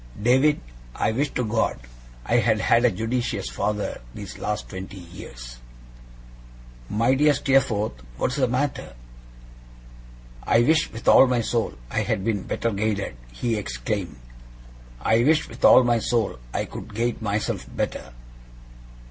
David, I wish to God I had had a judicious father these last twenty years!' 'My dear Steerforth, what is the matter?' 'I wish with all my soul I had been better guided!' he exclaimed. 'I wish with all my soul I could guide myself better!